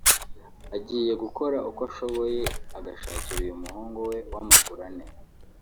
agiye gukora uko ashoboye agashakira uyu muhungu we w’amaguru ane